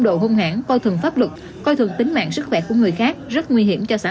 độ hung hãn coi thường pháp luật coi thường tính mạng sức khỏe của người khác rất nguy hiểm cho xã